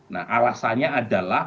nah alasannya adalah